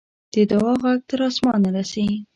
د دعا ږغ تر آسمانه رسي.